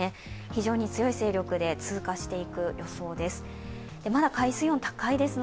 非常に強い勢力で通過していく予想です。